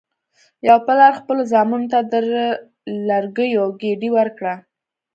یو پلار خپلو زامنو ته د لرګیو ګېډۍ ورکړه.